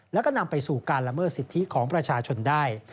แล้วก็นำไปสู่การละเมิดสิทธิของประชาชนได้